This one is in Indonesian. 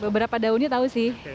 beberapa daunnya tahu sih